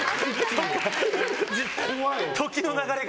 時の流れが。